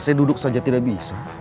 saya duduk saja tidak bisa